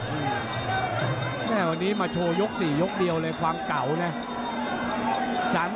แม่วันนี้มาโชว์ยก๔ยกเดียวเลยความเก่านะ